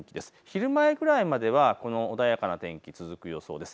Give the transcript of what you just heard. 昼前くらいまではこの穏やかな天気、続く予想です。